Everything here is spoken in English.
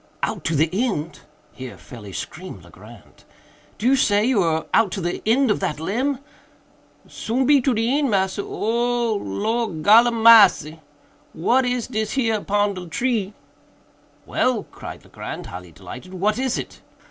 "Out to the end!" here fairly screamed Legrand, "do you say you are out to the end of that limb?" "Soon be to de eend, massa,—o o o o oh! Lor gol a marcy! what is dis here pon de tree?" "Well!" cried Legrand, highly delighted, "what is it?"